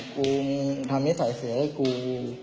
กูทำนี้ใส่เสียให้กู